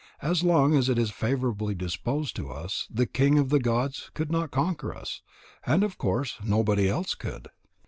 As long as it is favourably disposed to us, the king of the gods could not conquer us, and of course nobody else could."